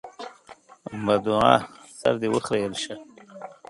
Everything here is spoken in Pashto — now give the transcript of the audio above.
بدوعا: سر دې وخرېيل شه!